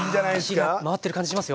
火が回ってる感じしますよ。